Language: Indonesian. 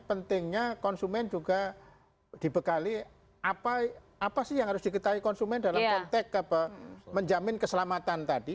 pentingnya konsumen juga dibekali apa sih yang harus diketahui konsumen dalam konteks menjamin keselamatan tadi